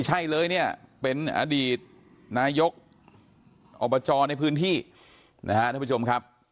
ใช่เลยเนี่ยเป็นอดีตนายกอบจในพื้นที่นะฮะท่านผู้ชมครับ